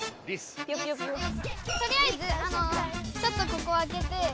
とりあえずちょっとここ空けて。